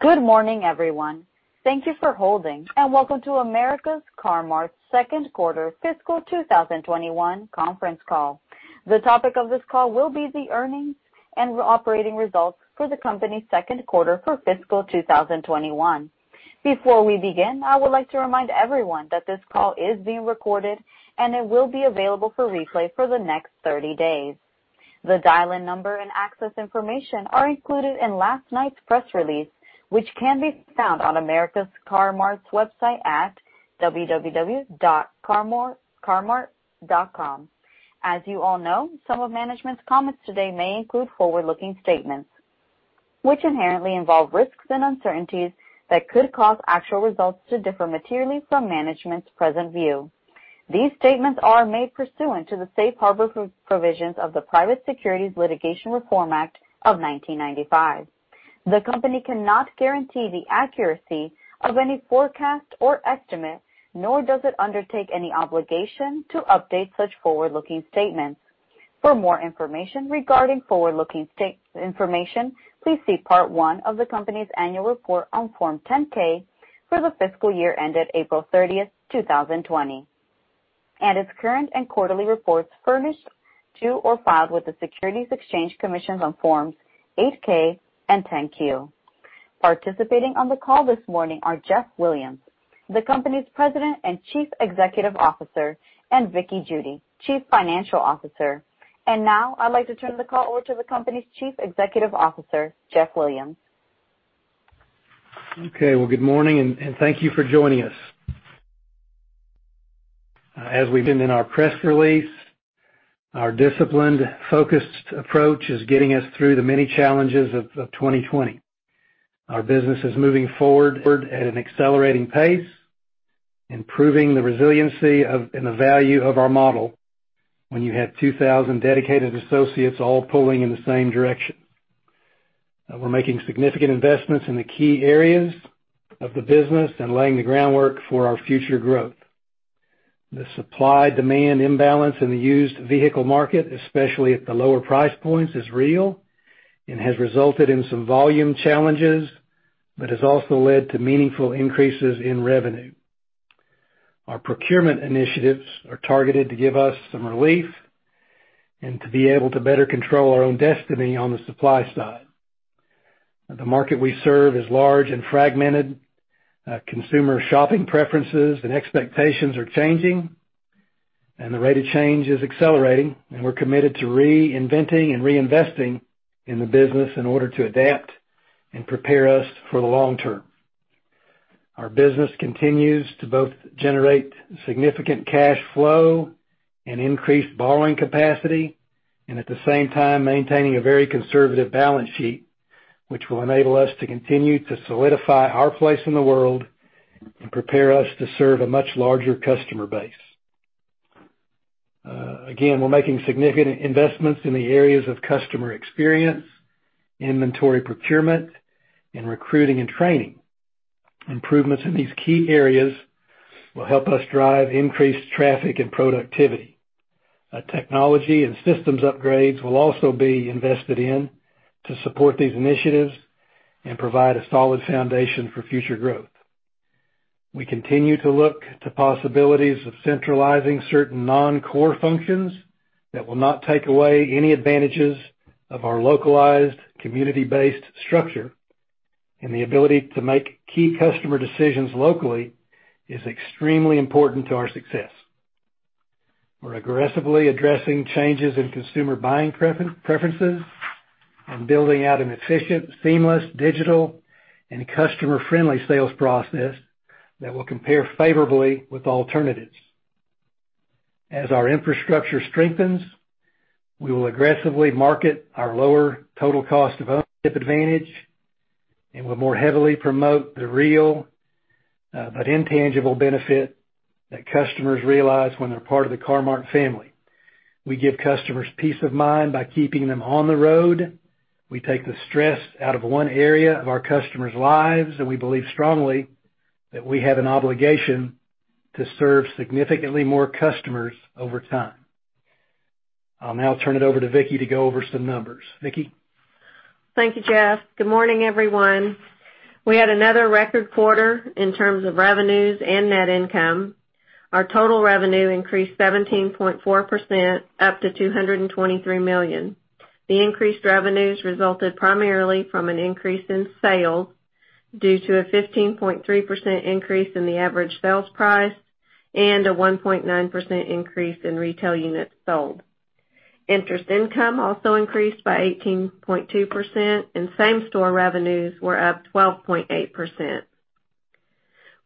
Good morning, everyone. Thank you for holding, and welcome to America's Car-Mart second quarter fiscal 2021 conference call. The topic of this call will be the earnings and operating results for the company's second quarter for fiscal 2021. Before we begin, I would like to remind everyone that this call is being recorded, and it will be available for replay for the next 30 days. The dial-in number and access information are included in last night's press release, which can be found on America's Car-Mart's website at www.car-mart.com. As you all know, some of management's comments today may include forward-looking statements, which inherently involve risks and uncertainties that could cause actual results to differ materially from management's present view. These statements are made pursuant to the safe harbor provisions of the Private Securities Litigation Reform Act of 1995. The company cannot guarantee the accuracy of any forecast or estimate, nor does it undertake any obligation to update such forward-looking statements. For more information regarding forward-looking information, please see Part One of the company's annual report on Form 10-K for the fiscal year ended April 30th, 2020, and its current and quarterly reports furnished to or filed with the Securities and Exchange Commission on Forms 8-K and 10-Q. Participating on the call this morning are Jeff Williams, the company's President and Chief Executive Officer, and Vickie Judy, Chief Financial Officer. Now, I'd like to turn the call over to the company's Chief Executive Officer, Jeff Williams. Okay. Well, good morning, and thank you for joining us. As we've seen in our press release, our disciplined, focused approach is getting us through the many challenges of 2020. Our business is moving forward at an accelerating pace, improving the resiliency and the value of our model when you have 2,000 dedicated associates all pulling in the same direction. We're making significant investments in the key areas of the business and laying the groundwork for our future growth. The supply-demand imbalance in the used vehicle market, especially at the lower price points, is real and has resulted in some volume challenges but has also led to meaningful increases in revenue. Our procurement initiatives are targeted to give us some relief and to be able to better control our own destiny on the supply side. The market we serve is large and fragmented. Consumer shopping preferences and expectations are changing, and the rate of change is accelerating, and we're committed to reinventing and reinvesting in the business in order to adapt and prepare us for the long term. Our business continues to both generate significant cash flow and increase borrowing capacity, and at the same time, maintaining a very conservative balance sheet, which will enable us to continue to solidify our place in the world and prepare us to serve a much larger customer base. Again, we're making significant investments in the areas of customer experience, inventory procurement, and recruiting and training. Improvements in these key areas will help us drive increased traffic and productivity. Technology and systems upgrades will also be invested in to support these initiatives and provide a solid foundation for future growth. We continue to look to possibilities of centralizing certain non-core functions that will not take away any advantages of our localized community-based structure, and the ability to make key customer decisions locally is extremely important to our success. We're aggressively addressing changes in consumer buying preferences and building out an efficient, seamless, digital, and customer-friendly sales process that will compare favorably with alternatives. As our infrastructure strengthens, we will aggressively market our lower total cost of ownership advantage, and we'll more heavily promote the real but intangible benefit that customers realize when they're part of the America's Car-Mart family. We give customers peace of mind by keeping them on the road. We take the stress out of one area of our customers' lives, and we believe strongly that we have an obligation to serve significantly more customers over time. I'll now turn it over to Vickie to go over some numbers. Vickie? Thank you, Jeff. Good morning, everyone. We had another record quarter in terms of revenues and net income. Our total revenue increased 17.4%, up to $223 million. The increased revenues resulted primarily from an increase in sales due to a 15.3% increase in the average sales price and a 1.9% increase in retail units sold. Interest income also increased by 18.2%, and same-store revenues were up 12.8%.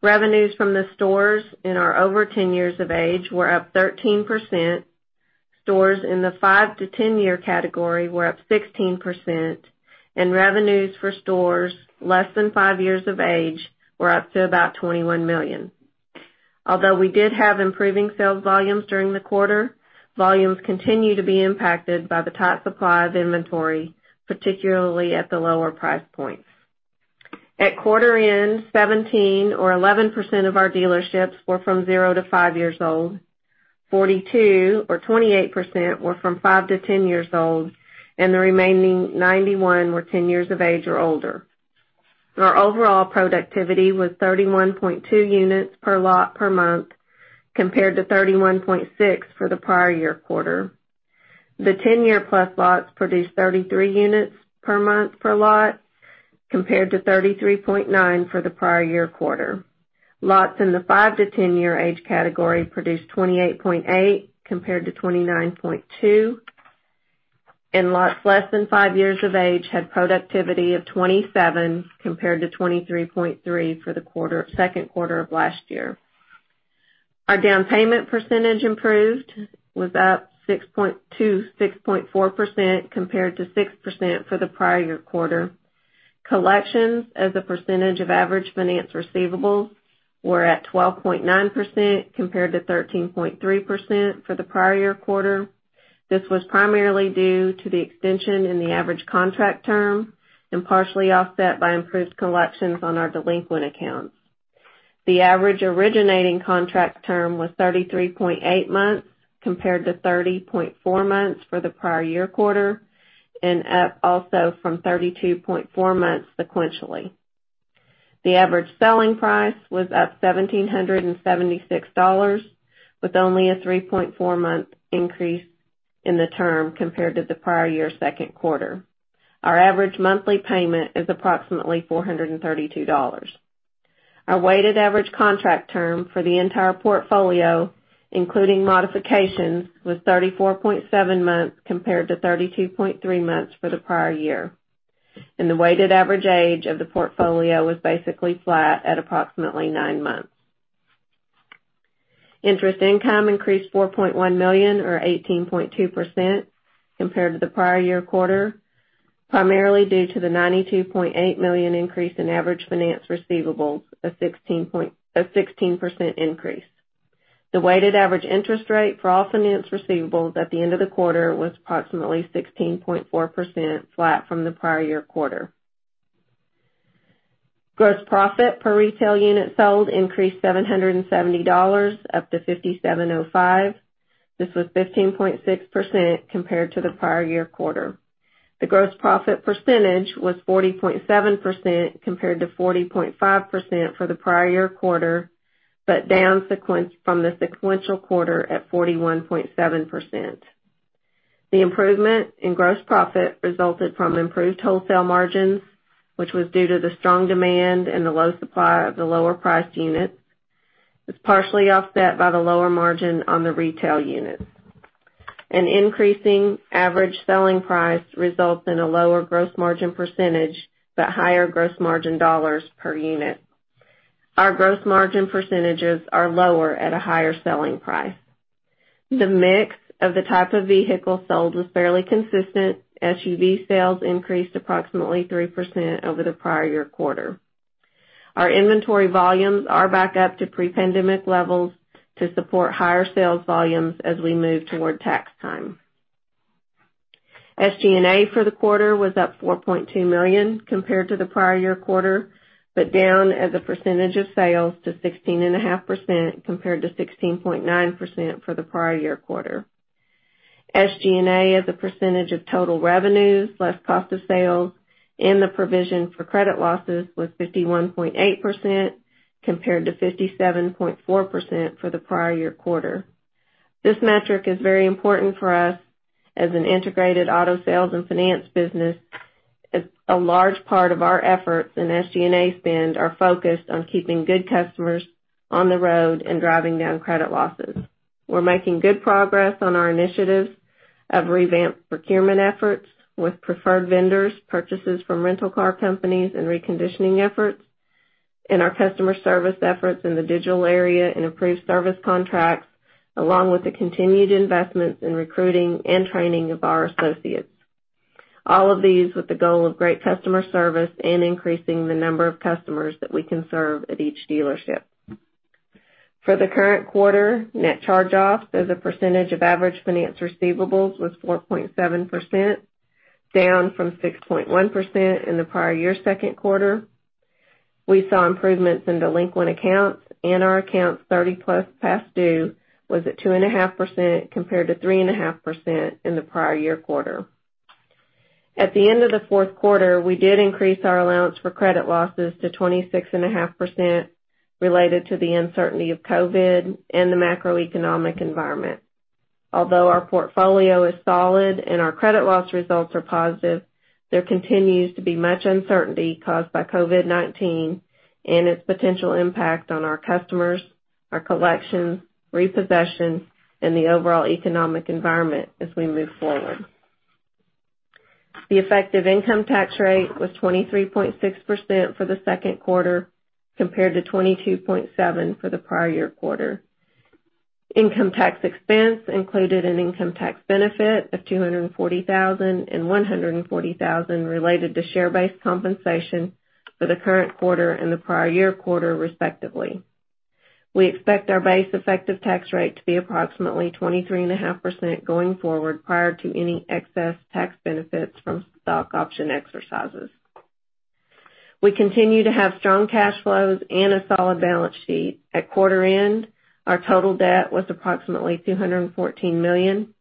Revenues from the stores in our over 10 years of age were up 13%, stores in the 5-10-year category were up 16%, and revenues for stores less than five years of age were up to about $21 million. Although we did have improving sales volumes during the quarter, volumes continue to be impacted by the tight supply of inventory, particularly at the lower price points. At quarter end, 17 or 11% of our dealerships were from zero to five years old, 42 or 28% were from five to 10 years old, and the remaining 91 were 10 years of age or older. Our overall productivity was 31.2 units per lot per month, compared to 31.6 for the prior year quarter. The 10-year-plus lots produced 33 units per month per lot, compared to 33.9 for the prior year quarter. Lots in the 5-10-year age category produced 28.8 compared to 29.2, and lots less than five years of age had productivity of 27 compared to 23.3 for the second quarter of last year. Our down payment percentage improved, was up 6.2%, 6.4% compared to 6% for the prior year quarter. Collections as a percentage of average finance receivables were at 12.9% compared to 13.3% for the prior year quarter. This was primarily due to the extension in the average contract term and partially offset by improved collections on our delinquent accounts. The average originating contract term was 33.8 months compared to 30.4 months for the prior year quarter, and up also from 32.4 months sequentially. The average selling price was up $1,776, with only a 3.4-month increase in the term compared to the prior year second quarter. Our average monthly payment is approximately $432. Our weighted average contract term for the entire portfolio, including modifications, was 34.7 months compared to 32.3 months for the prior year. The weighted average age of the portfolio was basically flat at approximately nine months. Interest income increased $4.1 million or 18.2% compared to the prior year quarter, primarily due to the $92.8 million increase in average finance receivables, a 16% increase. The weighted average interest rate for all finance receivables at the end of the quarter was approximately 16.4%, flat from the prior year quarter. Gross profit per retail unit sold increased $770, up to $5,705. This was 15.6% compared to the prior year quarter. The gross profit percentage was 40.7% compared to 40.5% for the prior year quarter, but down from the sequential quarter at 41.7%. The improvement in gross profit resulted from improved wholesale margins, which was due to the strong demand and the low supply of the lower-priced units. It's partially offset by the lower margin on the retail units. An increasing average selling price results in a lower gross margin percentage, but higher gross margin dollars per unit. Our gross margin percentages are lower at a higher selling price. The mix of the type of vehicle sold was fairly consistent. SUV sales increased approximately 3% over the prior year quarter. Our inventory volumes are back up to pre-pandemic levels to support higher sales volumes as we move toward tax time. SG&A for the quarter was up $4.2 million compared to the prior year quarter, but down as a percentage of sales to 16.5% compared to 16.9% for the prior year quarter. SG&A as a percentage of total revenues less cost of sales and the provision for credit losses was 51.8%, compared to 57.4% for the prior year quarter. This metric is very important for us as an integrated auto sales and finance business. A large part of our efforts in SG&A spend are focused on keeping good customers on the road and driving down credit losses. We're making good progress on our initiatives of revamped procurement efforts with preferred vendors, purchases from rental car companies, and reconditioning efforts, and our customer service efforts in the digital area and improved service contracts, along with the continued investments in recruiting and training of our associates. All of these with the goal of great customer service and increasing the number of customers that we can serve at each dealership. For the current quarter, net charge-offs as a percentage of average finance receivables was 4.7%, down from 6.1% in the prior year second quarter. We saw improvements in delinquent accounts, and our accounts 30+ past due was at 2.5% compared to 3.5% in the prior year quarter. At the end of the fourth quarter, we did increase our allowance for credit losses to 26.5% related to the uncertainty of COVID and the macroeconomic environment. Although our portfolio is solid and our credit loss results are positive, there continues to be much uncertainty caused by COVID-19 and its potential impact on our customers, our collections, repossessions, and the overall economic environment as we move forward. The effective income tax rate was 23.6% for the second quarter compared to 22.7% for the prior year quarter. Income tax expense included an income tax benefit of $240,000 and $140,000 related to share-based compensation for the current quarter and the prior year quarter, respectively. We expect our base effective tax rate to be approximately 23.5% going forward prior to any excess tax benefits from stock option exercises. We continue to have strong cash flows and a solid balance sheet. At quarter end, our total debt was approximately $214 million.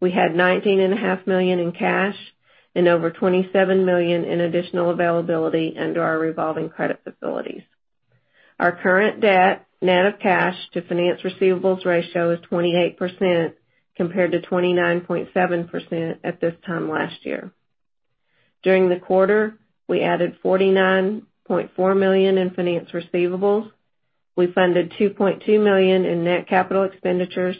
We had $19.5 million in cash and over $27 million in additional availability under our revolving credit facilities. Our current debt net of cash to finance receivables ratio is 28%, compared to 29.7% at this time last year. During the quarter, we added $49.4 million in finance receivables. We funded $2.2 million in net capital expenditures.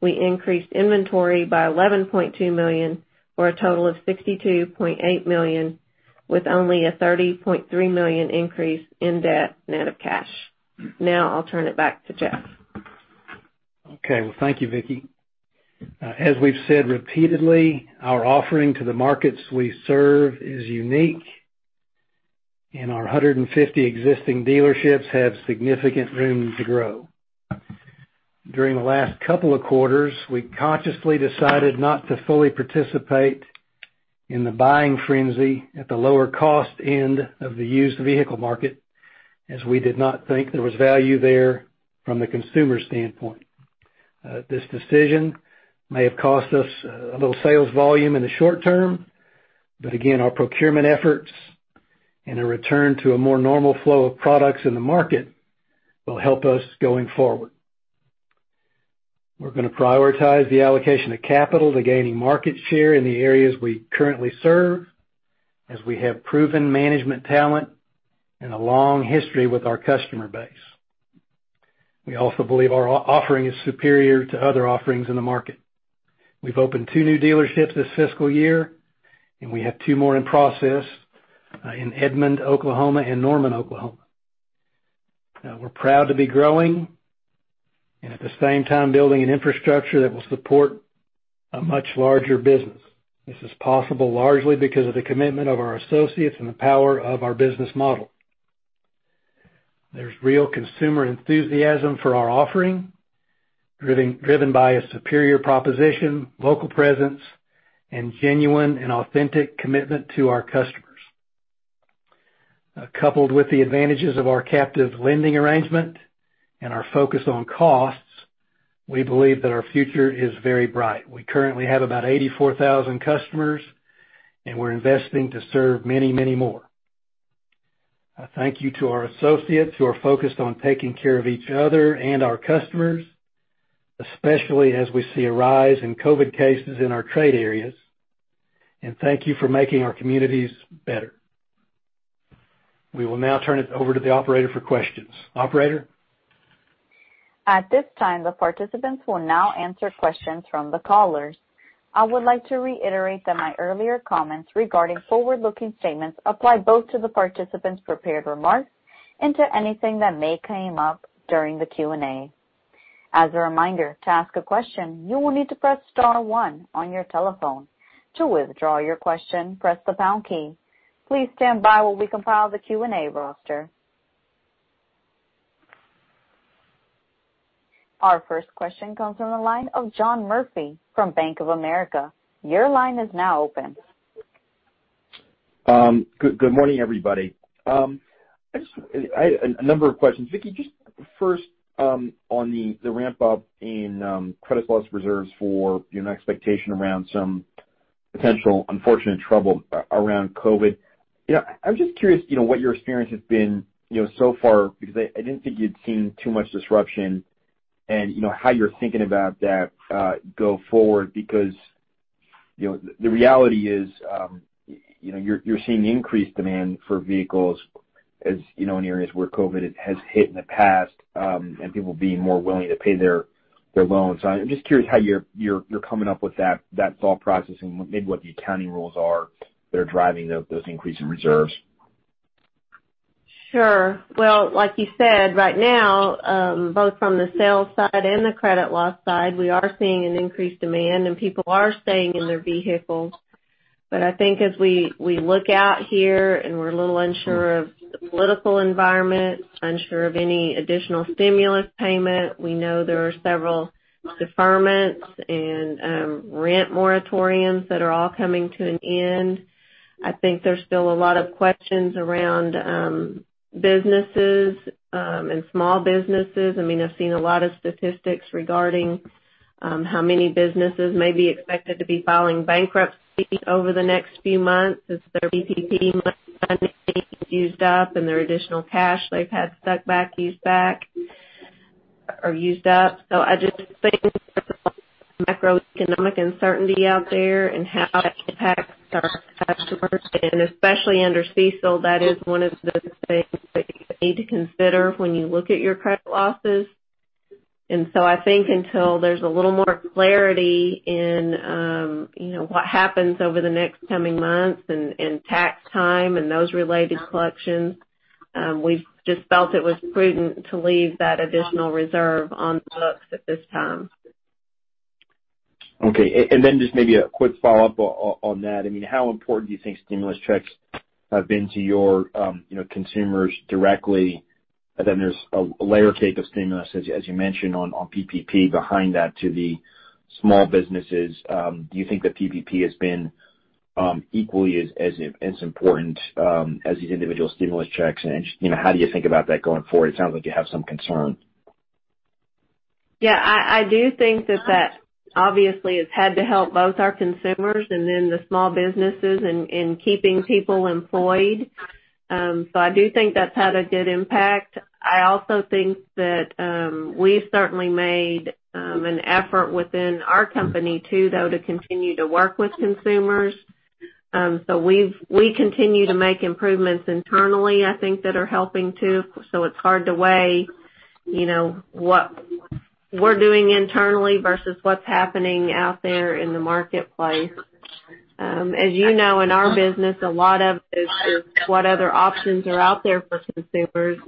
We increased inventory by $11.2 million, for a total of $62.8 million, with only a $30.3 million increase in debt net of cash. Now I'll turn it back to Jeff. Okay. Well, thank you, Vickie. As we've said repeatedly, our offering to the markets we serve is unique, and our 150 existing dealerships have significant room to grow. During the last couple of quarters, we consciously decided not to fully participate in the buying frenzy at the lower cost end of the used vehicle market, as we did not think there was value there from the consumer standpoint. This decision may have cost us a little sales volume in the short term, but again, our procurement efforts and a return to a more normal flow of products in the market will help us going forward. We're going to prioritize the allocation of capital to gaining market share in the areas we currently serve, as we have proven management talent and a long history with our customer base. We also believe our offering is superior to other offerings in the market. We've opened two new dealerships this fiscal year, and we have two more in process, in Edmond, Oklahoma, and Norman, Oklahoma. Now, we're proud to be growing and at the same time building an infrastructure that will support a much larger business. This is possible largely because of the commitment of our associates and the power of our business model. There's real consumer enthusiasm for our offering, driven by a superior proposition, local presence, and genuine and authentic commitment to our customers. Coupled with the advantages of our captive lending arrangement and our focus on costs, we believe that our future is very bright. We currently have about 84,000 customers, and we're investing to serve many, many more. A thank you to our associates who are focused on taking care of each other and our customers, especially as we see a rise in COVID cases in our trade areas. Thank you for making our communities better. We will now turn it over to the operator for questions. Operator? At this time, the participants will now answer questions from the callers. I would like to reiterate that my earlier comments regarding forward-looking statements apply both to the participants' prepared remarks and to anything that may come up during the Q&A. As a reminder, to ask a question, you will need to press star one on your telephone. To withdraw your question, press the pound key. Please stand by while we compile the Q&A roster. Our first question comes from the line of John Murphy from Bank of America. Your line is now open. Good morning, everybody. A number of questions. Vickie, just first on the ramp up in credit loss reserves for an expectation around some potential unfortunate trouble around COVID. I'm just curious what your experience has been so far, because I didn't think you'd seen too much disruption and how you're thinking about that go forward. The reality is you're seeing increased demand for vehicles as in areas where COVID has hit in the past, and people being more willing to pay their loans. I'm just curious how you're coming up with that thought process and maybe what the accounting rules are that are driving those increasing reserves. Sure. Like you said, right now, both from the sales side and the credit loss side, we are seeing an increased demand and people are staying in their vehicles. I think as we look out here and we're a little unsure of the political environment, unsure of any additional stimulus payment. We know there are several deferments and rent moratoriums that are all coming to an end. I think there's still a lot of questions around businesses and small businesses. I've seen a lot of statistics regarding how many businesses may be expected to be filing bankruptcy over the next few months as their PPP money is used up and their additional cash they've had stuck back or used up. I just think there's a lot of macroeconomic uncertainty out there and how it impacts our customers. Especially under CECL, that is one of those things that you need to consider when you look at your credit losses. I think until there's a little more clarity in what happens over the next coming months and tax time and those related collections, we've just felt it was prudent to leave that additional reserve on the books at this time. Okay. Just maybe a quick follow-up on that. How important do you think stimulus checks have been to your consumers directly. There's a layer cake of stimulus, as you mentioned, on PPP behind that to the small businesses. Do you think that PPP has been equally as important as these individual stimulus checks? How do you think about that going forward? It sounds like you have some concern. I do think that that obviously has had to help both our consumers and then the small businesses in keeping people employed. I do think that's had a good impact. I also think that we've certainly made an effort within our company too, though, to continue to work with consumers. We continue to make improvements internally, I think, that are helping too. It's hard to weigh what we're doing internally versus what's happening out there in the marketplace. As you know, in our business, a lot of it is just what other options are out there for consumers.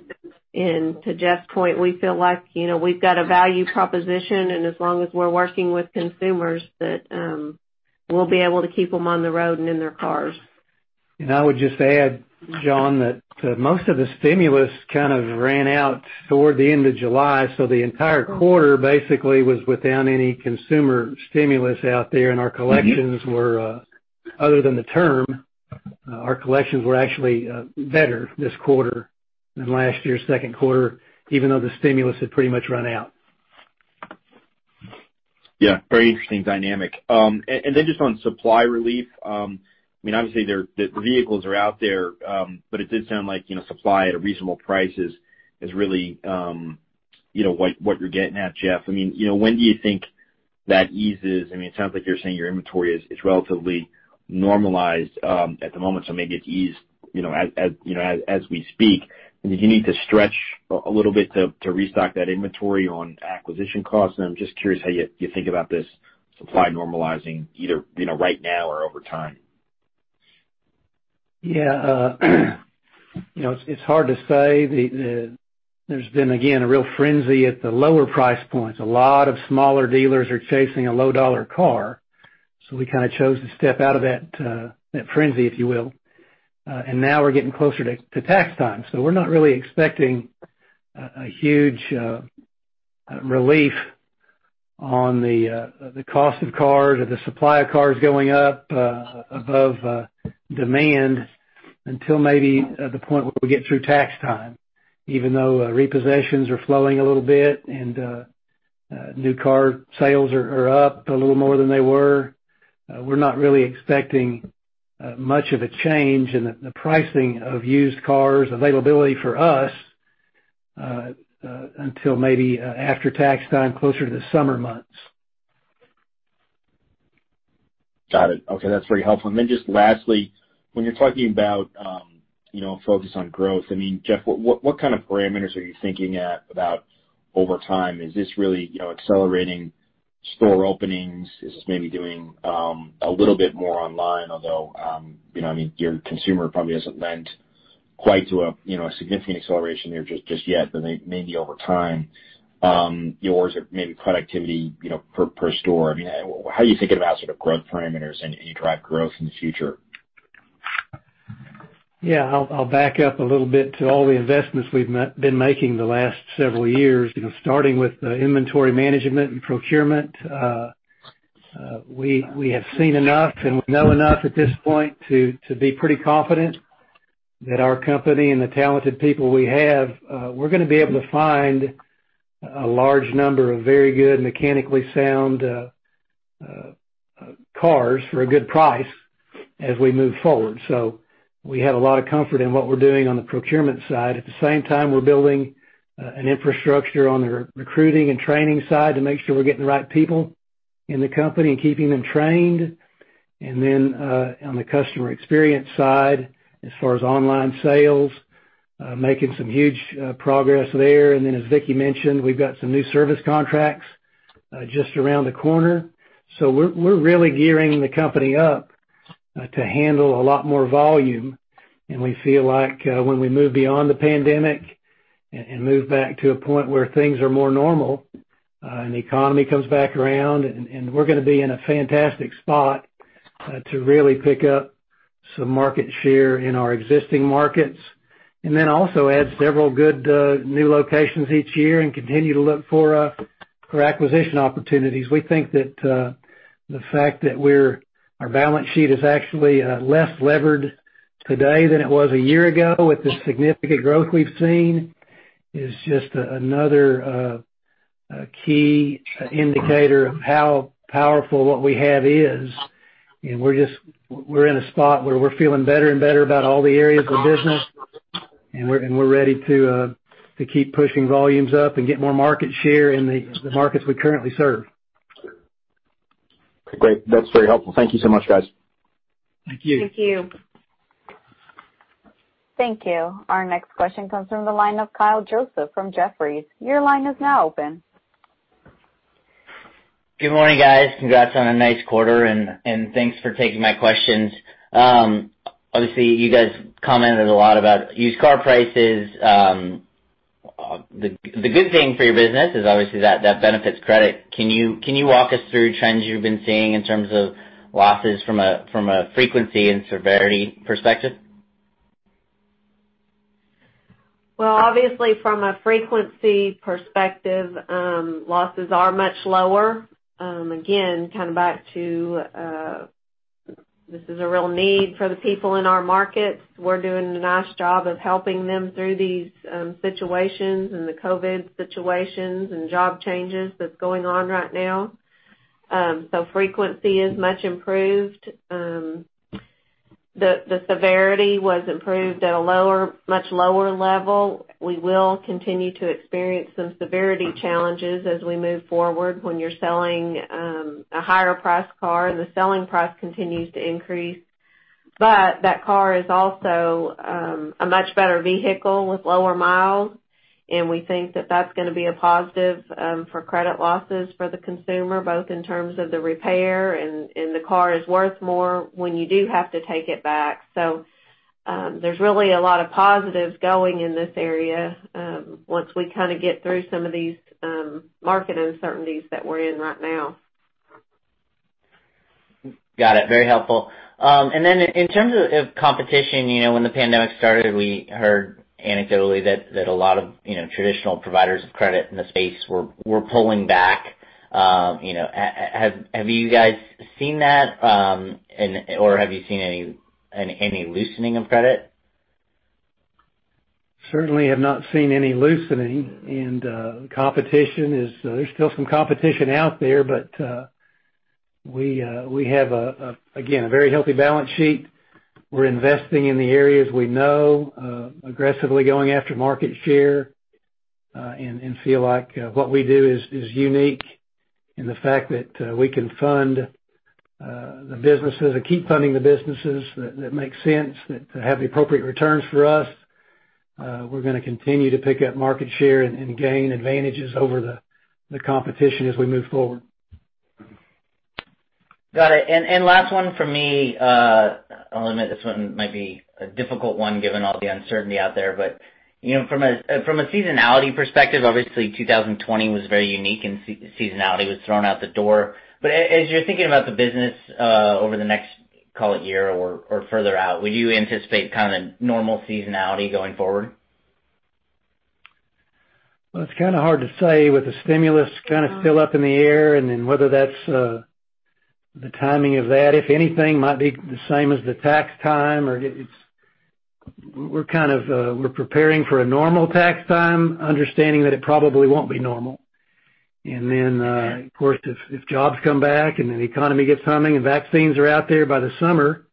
To Jeff's point, we feel like we've got a value proposition, and as long as we're working with consumers, that we'll be able to keep them on the road and in their cars. I would just add, John, that most of the stimulus kind of ran out toward the end of July. The entire quarter basically was without any consumer stimulus out there, and our collections were, other than the term, actually better this quarter than last year's second quarter, even though the stimulus had pretty much run out. Yeah. Very interesting dynamic. Just on supply relief, obviously, the vehicles are out there. It did sound like supply at a reasonable price is really what you're getting at, Jeff. When do you think that eases? It sounds like you're saying your inventory is relatively normalized at the moment, so maybe it's eased as we speak. Do you need to stretch a little bit to restock that inventory on acquisition costs? I'm just curious how you think about this supply normalizing either right now or over time. Yeah. It's hard to say. There's been, again, a real frenzy at the lower price points. A lot of smaller dealers are chasing a low-dollar car. We kind of chose to step out of that frenzy, if you will. Now we're getting closer to tax time. We're not really expecting a huge relief on the cost of cars or the supply of cars going up above demand until maybe the point where we get through tax time. Even though repossessions are flowing a little bit and new car sales are up a little more than they were. We're not really expecting much of a change in the pricing of used cars availability for us until maybe after tax time, closer to the summer months. Got it. Okay. That's very helpful. Then just lastly, when you're talking about focus on growth, Jeff, what kind of parameters are you thinking at about over time? Is this really accelerating store openings? Is this maybe doing a little bit more online? Although your consumer probably hasn't leaned quite to a significant acceleration there just yet, but maybe over time. Is it maybe productivity per store? How are you thinking about sort of growth parameters and you drive growth in the future? Yeah, I'll back up a little bit to all the investments we've been making the last several years, starting with the inventory management and procurement. We have seen enough and we know enough at this point to be pretty confident that our company and the talented people we have, we're going to be able to find a large number of very good mechanically sound cars for a good price as we move forward. We have a lot of comfort in what we're doing on the procurement side. At the same time, we're building an infrastructure on the recruiting and training side to make sure we're getting the right people in the company and keeping them trained. On the customer experience side, as far as online sales, making some huge progress there. As Vickie mentioned, we've got some new service contracts just around the corner. We're really gearing the company up to handle a lot more volume. We feel like when we move beyond the pandemic and move back to a point where things are more normal, and the economy comes back around, and we're going to be in a fantastic spot to really pick up some market share in our existing markets. Also add several good new locations each year and continue to look for acquisition opportunities. We think that the fact that our balance sheet is actually less levered today than it was a year ago with the significant growth we've seen is just another key indicator of how powerful what we have is. We're in a spot where we're feeling better and better about all the areas of business, and we're ready to keep pushing volumes up and get more market share in the markets we currently serve. Great. That's very helpful. Thank you so much, guys. Thank you. Thank you. Thank you. Our next question comes from the line of Kyle Joseph from Jefferies. Your line is now open. Good morning, guys. Congrats on a nice quarter, and thanks for taking my questions. Obviously, you guys commented a lot about used car prices. The good thing for your business is obviously that benefits credit. Can you walk us through trends you've been seeing in terms of losses from a frequency and severity perspective? Obviously, from a frequency perspective, losses are much lower. Again, coming back to this is a real need for the people in our markets. We're doing a nice job of helping them through these situations and the COVID situations and job changes that's going on right now. Frequency is much improved. The severity was improved at a much lower level. We will continue to experience some severity challenges as we move forward when you're selling a higher priced car, the selling price continues to increase. That car is also a much better vehicle with lower miles, and we think that that's going to be a positive for credit losses for the consumer, both in terms of the repair, and the car is worth more when you do have to take it back. There's really a lot of positives going in this area, once we get through some of these market uncertainties that we're in right now. Got it. Very helpful. In terms of competition, when the pandemic started, we heard anecdotally that a lot of traditional providers of credit in the space were pulling back. Have you guys seen that, or have you seen any loosening of credit? Certainly have not seen any loosening. There's still some competition out there, but we have, again, a very healthy balance sheet. We're investing in the areas we know, aggressively going after market share, and feel like what we do is unique in the fact that we can keep funding the businesses that make sense, that have the appropriate returns for us. We're going to continue to pick up market share and gain advantages over the competition as we move forward. Got it. Last one from me. I'll admit this one might be a difficult one given all the uncertainty out there. From a seasonality perspective, obviously 2020 was very unique, and seasonality was thrown out the door. As you're thinking about the business over the next, call it year or further out, would you anticipate kind of normal seasonality going forward? Well, it's kind of hard to say with the stimulus kind of still up in the air, and then whether that's the timing of that. If anything might be the same as the tax time. We're preparing for a normal tax time, understanding that it probably won't be normal. Then, of course, if jobs come back and the economy gets humming and vaccines are out there by the summer,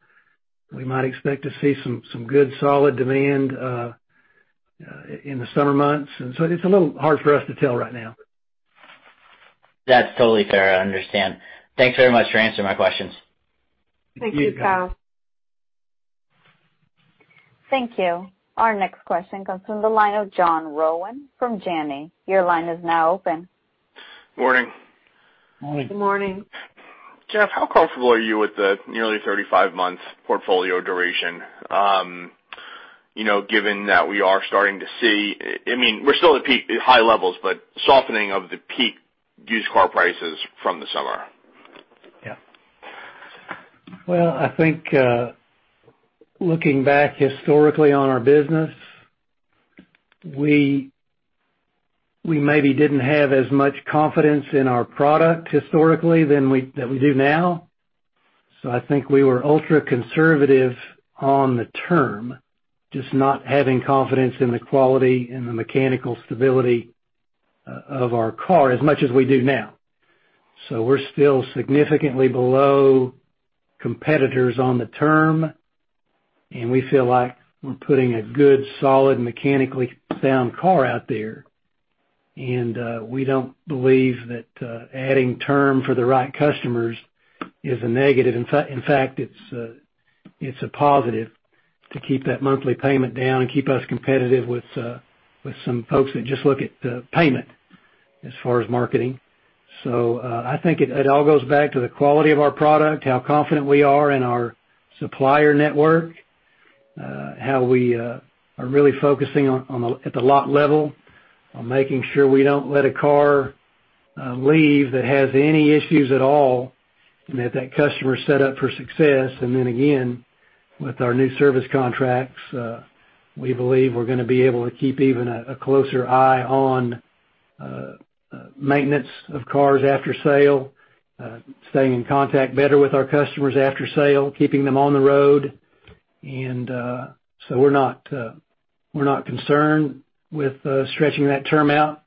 we might expect to see some good solid demand in the summer months. It's a little hard for us to tell right now. That's totally fair. I understand. Thanks very much for answering my questions. Thank you, Kyle. Thank you. Our next question comes from the line of John Rowan from Janney. Your line is now open. Morning. Morning. Good morning. Jeff, how comfortable are you with the nearly 35 months portfolio duration, given that we are starting to see, we're still at high levels, but softening of the peak used car prices from the summer? Yeah. Well, I think, looking back historically on our business, we maybe didn't have as much confidence in our product historically than we do now. I think we were ultra-conservative on the term, just not having confidence in the quality and the mechanical stability of our car as much as we do now. We're still significantly below competitors on the term, and we feel like we're putting a good, solid, mechanically sound car out there, and we don't believe that adding term for the right customers is a negative. In fact, it's a positive to keep that monthly payment down and keep us competitive with some folks that just look at the payment as far as marketing. I think it all goes back to the quality of our product, how confident we are in our supplier network, how we are really focusing at the lot level on making sure we don't let a car leave that has any issues at all, and that customer's set up for success. Again, with our new service contracts, we believe we're going to be able to keep even a closer eye on maintenance of cars after sale, staying in contact better with our customers after sale, keeping them on the road. We're not concerned with stretching that term out.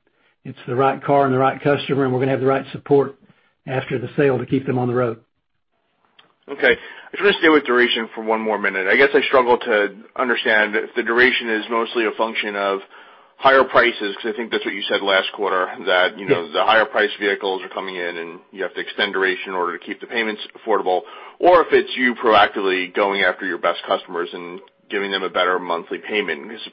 It's the right car and the right customer, and we're going to have the right support after the sale to keep them on the road. Okay. I just want to stay with duration for one more minute. I guess I struggle to understand if the duration is mostly a function of higher prices, because I think that's what you said last quarter. Yeah The higher priced vehicles are coming in, and you have to extend duration in order to keep the payments affordable, or if it's you proactively going after your best customers and giving them a better monthly payment. At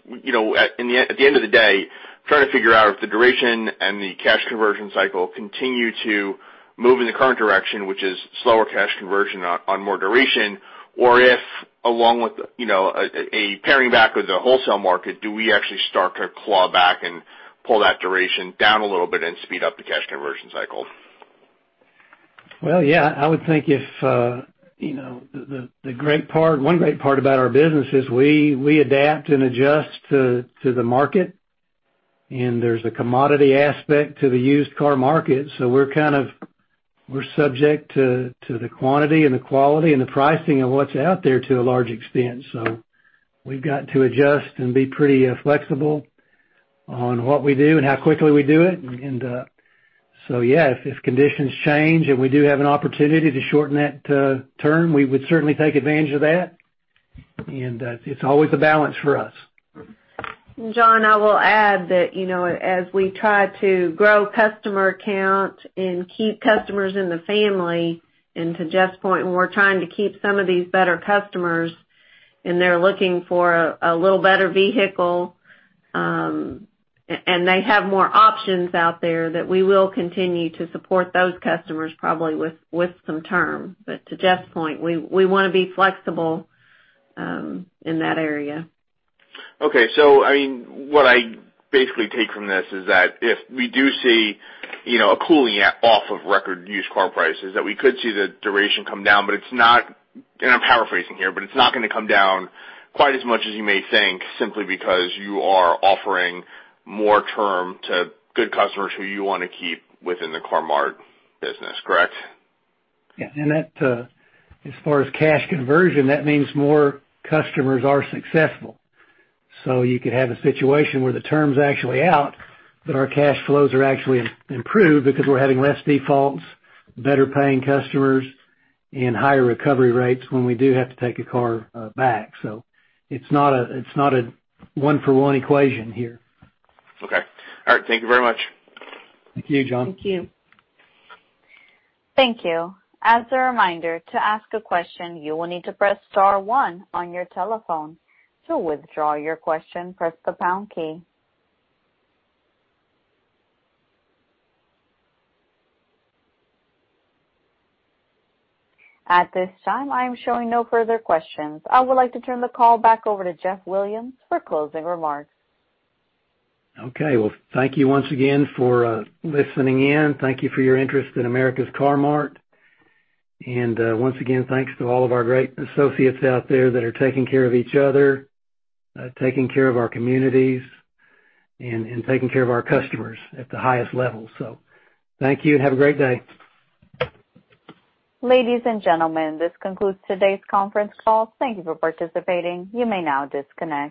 the end of the day, trying to figure out if the duration and the cash conversion cycle continue to move in the current direction, which is slower cash conversion on more duration, or if along with a paring back with the wholesale market, do we actually start to claw back and pull that duration down a little bit and speed up the cash conversion cycle? Well, yeah. I would think one great part about our business is we adapt and adjust to the market, and there's a commodity aspect to the used car market. We're subject to the quantity and the quality and the pricing of what's out there to a large extent. We've got to adjust and be pretty flexible on what we do and how quickly we do it. Yeah, if conditions change and we do have an opportunity to shorten that term, we would certainly take advantage of that. It's always a balance for us. John, I will add that as we try to grow customer count and keep customers in the family, to Jeff's point, when we're trying to keep some of these better customers and they're looking for a little better vehicle, and they have more options out there, that we will continue to support those customers probably with some term. To Jeff's point, we want to be flexible in that area. Okay. What I basically take from this is that if we do see a cooling off of record used car prices, that we could see the duration come down, and I'm paraphrasing here, but it's not going to come down quite as much as you may think simply because you are offering more term to good customers who you want to keep within the America's Car-Mart business, correct? Yeah. As far as cash conversion, that means more customers are successful. You could have a situation where the term's actually out, our cash flows are actually improved because we're having less defaults, better-paying customers, and higher recovery rates when we do have to take a car back. It's not a one-for-one equation here. Okay. All right. Thank you very much. Thank you, John. Thank you. Thank you, As a reminder to ask a question, you will need to press star one on your telephone. To withdraw your question, press the pound key. At this time, I'm showing no further questions. I would like to turn the call back over to Jeff Williams for closing remarks. Okay. Well, thank you once again for listening in. Thank you for your interest in America's Car-Mart, and, once again, thanks to all of our great associates out there that are taking care of each other, taking care of our communities, and taking care of our customers at the highest level. Thank you, and have a great day. Ladies and gentlemen, this concludes today's conference call. Thank you for participating. You may now disconnect.